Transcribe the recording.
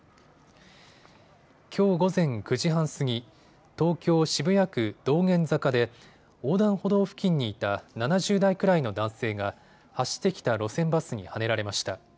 きょう午前９時半過ぎ、東京渋谷区道玄坂で横断歩道付近にいた７０代くらいの男性が走ってきた路線バスにはねられました。